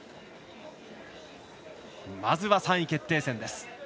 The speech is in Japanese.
まずは、３位決定戦です。